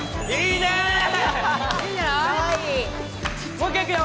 もう一回いくよ！